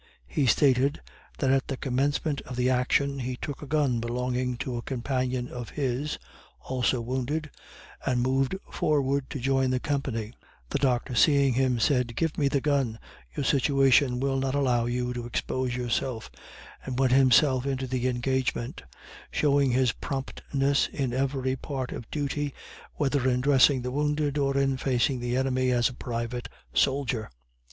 He stated, that at the commencement of the action he took a gun belonging to a companion of his, also wounded, and moved forward to join the company; the Doctor seeing him, said, "give me the gun, your situation will not allow you to expose yourself," and went himself into the engagement showing his promptness in every part of duty, whether in dressing the wounded, or in facing the enemy as a private soldier.